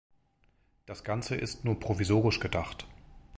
Das ganze ist nur provisorisch gedacht.